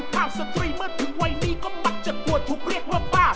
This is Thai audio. มาจากไหนนะเจ้า